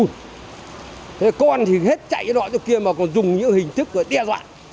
thế con thì hết chạy với loại chỗ kia mà còn dùng những hình thức để đe dọa